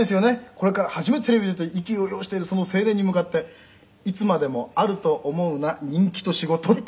「これから初めてテレビに出て意気揚々しているその青年に向かって“いつまでもあると思うな人気と仕事”っていうのがね